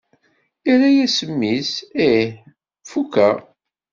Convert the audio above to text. Yerra-as mmi-s: Ih fukeɣ!